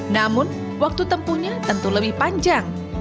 namun waktu tempuhnya tentu lebih panjang